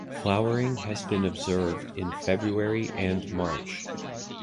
Flowering has been observed in February and March.